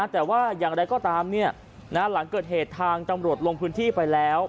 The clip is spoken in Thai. แต่ว่าอย่างไรก็ตามหลังเกิดเหตุทางจำรวจลงพื้นที่ไปแล้ว